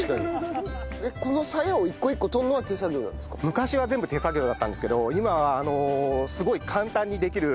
昔は全部手作業だったんですけど今はすごい。